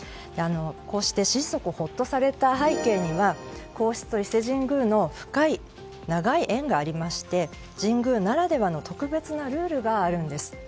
こうして心底ほっとされた背景には皇室と伊勢神宮の深い長い縁がありまして神宮ならではの特別なルールがあるんです。